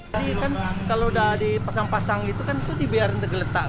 jadi kan kalau sudah dipasang pasang itu kan itu dibiarkan tergeletak